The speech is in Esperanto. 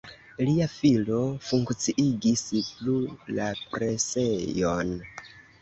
Lia filo funkciigis plu la presejon.